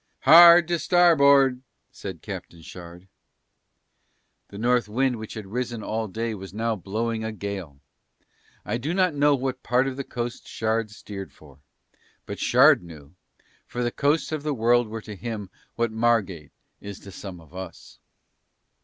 "Hard to starboard," said Captain Shard. The North wind which had risen all day was now blowing a gale. I do not know what part of the coast Shard steered for, but Shard knew, for the coasts of the world were to him what Margate is to some of us.